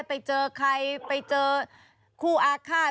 ไปเจอใครไปเจอคู่อาฆาต